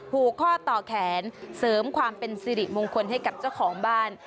ผูกข้อต่อแขนเสริมความเป็นสิริมงคลให้กับเจ้าของบ้าน